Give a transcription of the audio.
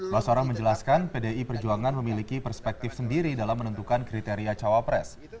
basorang menjelaskan pdi perjuangan memiliki perspektif sendiri dalam menentukan kriteria cawapres